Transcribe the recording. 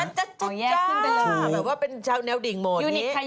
แยกขึ้นไปเลยแบบว่าเป็นชาวแนวดิ่งหมด